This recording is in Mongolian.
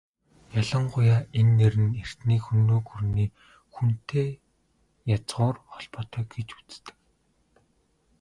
Ялангуяа энэ нэр нь эртний Хүннү гүрний "Хүн"-тэй язгуур холбоотой гэж үздэг.